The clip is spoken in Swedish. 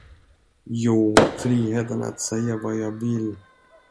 Jo, friheten att säga vad jag vill.